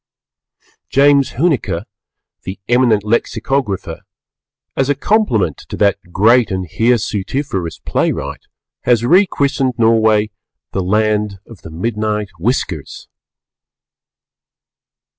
James Huneker, the eminent Lexicographer, as a compliment to that great and hirsutiferous playwright, has re christened Norway "The Land of the Midnight Whiskers."